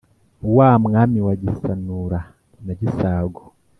wa mwami wa gisanura na gisago